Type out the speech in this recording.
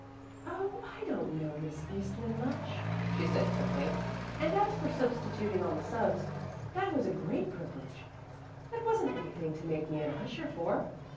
"Oh, I don't know Miss Eastman much," she said quickly. "And as for substituting on the subs, that was a great privilege. That wasn't anything to make me an usher for."